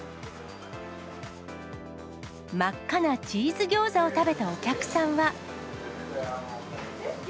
真っ赤なチーズギョーザを食べたお客さんは。